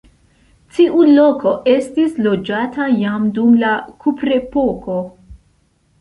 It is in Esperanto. Tiu loko estis loĝata jam dum la kuprepoko.